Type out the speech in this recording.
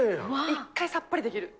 一回さっぱりできる。